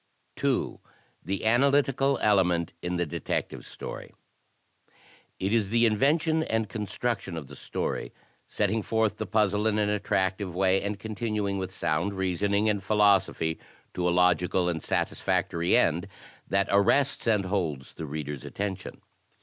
J. The Analytical Element in the Detective Story It is the invention and construction of the story, setting forth the puzzle in an attractive way, and continuing with sound reasoning and philosophy to a logical and satisfactory end, that arrests and holds the reader's attention.